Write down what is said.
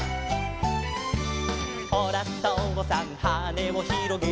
「ほらとうさんはねをひろげて」